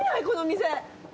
このお店。